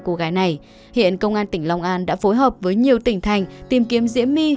cô gái này hiện công an tỉnh long an đã phối hợp với nhiều tỉnh thành tìm kiếm diễm my